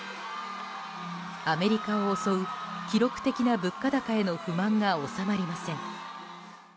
アメリカを襲う記録的な物価高への不満が収まりません。